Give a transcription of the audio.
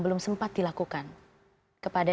belum sempat dilakukan kepada